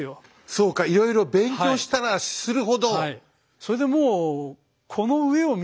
そうかいろいろ勉強したらするほど。